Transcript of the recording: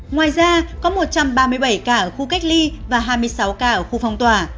ngoài ra có một trăm ba mươi bảy ca ở khu cách ly và hai mươi sáu ca ở khu phong tỏa